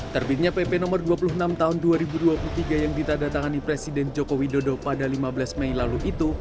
terbitnya pp no dua puluh enam tahun dua ribu dua puluh tiga yang ditandatangani presiden joko widodo pada lima belas mei lalu itu